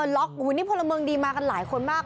โหโหนี่พลเมิงดีมากันหลายคนมาก